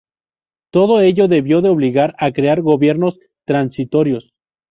Todo ello debió de obligar a crear gobiernos transitorios.